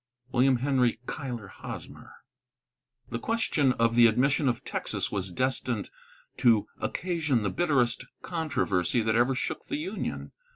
WILLIAM HENRY CUYLER HOSMER. The question of the admission of Texas was destined to occasion the bitterest controversy that ever shook the Union.